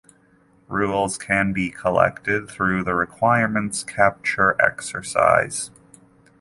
Rules can be collected through the requirements capture exercise.